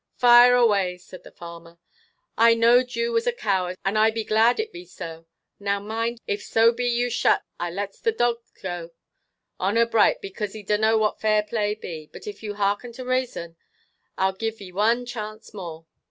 "Fire away," said the farmer, "I knowed you was a coward, and I be glad it be so. Now mind, if so be you shuts, I lets the dog go, honour braight, because e dunno what fair play be. But if e harken to rason, I'll give e one chance more.